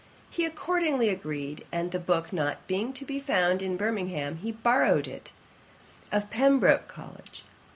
He accordingly agreed; and the book not being to be found in Birmingham, he borrowed it of Pembroke College.